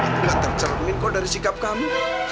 itu nggak tercermin kok dari sikap kamu